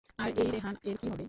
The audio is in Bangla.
আর এই রেহান এর কি হবে?